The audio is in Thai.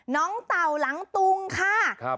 เต่าหลังตุงค่ะ